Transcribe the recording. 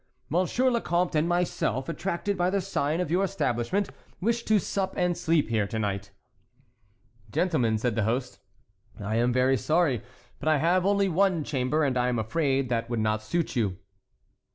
"Monsieur le Comte and myself, attracted by the sign of your establishment, wish to sup and sleep here to night." "Gentlemen," said the host, "I am very sorry, but I have only one chamber, and I am afraid that would not suit you."